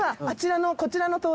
「あちらのこちらの」